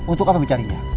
untuk apa bicarinya